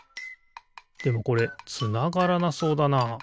でもこれつながらなそうだな。